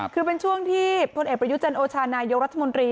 คือเป็นช่วงที่พลเอกประยุจันโอชานายกรัฐมนตรี